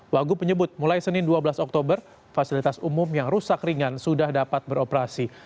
wagub menyebut mulai senin dua belas oktober fasilitas umum yang rusak ringan sudah dapat beroperasi